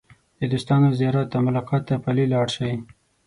د دوستانو زیارت او ملاقات ته پلي لاړ شئ.